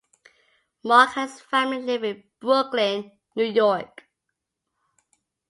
Mark and his family live in Brooklyn, New York.